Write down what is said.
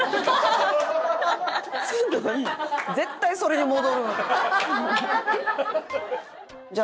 絶対それに戻る。